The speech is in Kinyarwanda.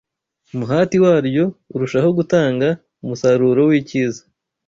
umuhati waryo urushaho gutanga umusaruro w’icyiza